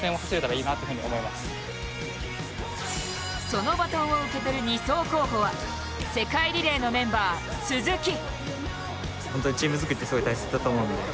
そのバトンを受け取る２走候補は世界リレーのメンバー、鈴木。